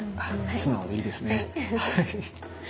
素直でいいですね。